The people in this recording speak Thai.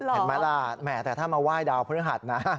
เห็นไหมล่ะแหมแต่ถ้ามาไหว้ดาวพฤหัสนะ